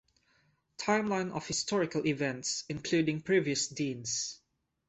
Timeline of historical events, including previous deans.